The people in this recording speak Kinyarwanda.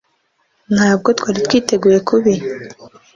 Ntabwo twari twiteguye kubi